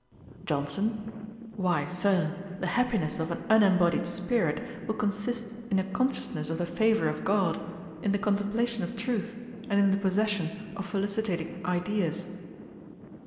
JOHNSON. 'Why, Sir, the happiness of an unembodied spirit will consist in a consciousness of the favour of GOD, in the contemplation of truth, and in the possession of felicitating ideas.'